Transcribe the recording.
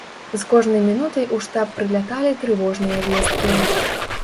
З кожнай мінутай у штаб прыляталі трывожныя весткі.